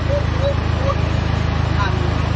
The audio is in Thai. พี่ชอบจริงบอกว่าชอบทุก